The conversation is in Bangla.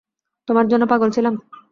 তোমার জন্য পাগল ছিলাম?